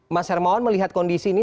mas hermawan melihat kondisi ini